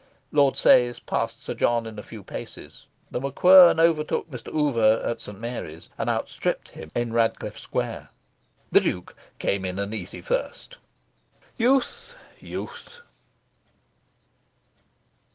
Lord Sayes passed Sir John in a few paces. The MacQuern overtook Mr. Oover at St. Mary's and outstripped him in Radcliffe Square. The Duke came in an easy first. Youth, youth!